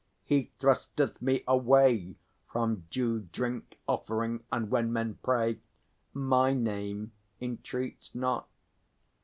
He thrusteth me away From due drink offering, and, when men pray, My name entreats not.